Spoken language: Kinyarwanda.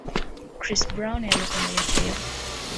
Chris Brown yabikomerekeyemo